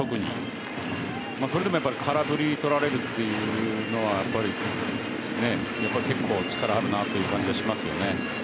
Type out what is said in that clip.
それでも空振りを取られるというのはけっこう力があるなという感じがしますよね。